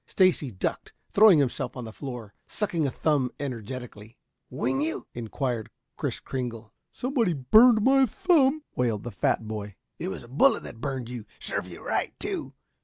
Stacy ducked, throwing himself on the floor, sucking a thumb energetically. "Wing you?" inquired Kris Kringle. "Somebody burned my thumb," wailed the fat boy. "It was a bullet that burned you. Served you right too.